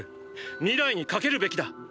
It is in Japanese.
未来に賭けるべきだ！